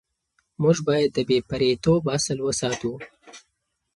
موږ باید د بې پرېتوب اصل وساتو.